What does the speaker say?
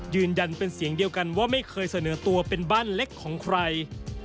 ยืนยันเป็นเสียงเดียวกันว่าไม่เคยเสนอตัวเป็นบ้านเล็กของใคร